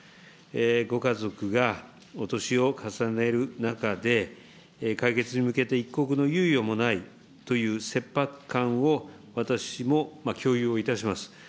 ご家族がお年を重ねる中で、解決に向けて一刻の猶予もないという切迫感を私も共有をいたします。